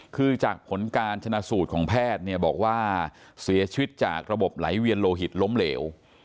คือจากผลการชนะสูตรของแพทย์เนี่ยบอกว่าเสียชีวิตจากระบบไหลเวียนโลหิตล้มเหลว